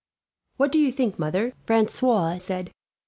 "What do you think, mother?" Francois said.